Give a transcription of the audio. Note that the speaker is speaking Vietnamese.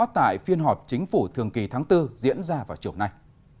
tại phiên họp chính phủ thường kỳ tháng bốn diễn ra vào chiều nay